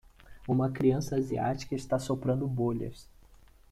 Uma criança asiática está soprando bolhas